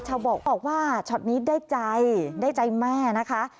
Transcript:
เช้าบอกว่าชดนี้ได้ใจได้ใจแม่นะคะ